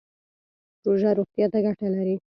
روژه روغتیا ته ګټه لري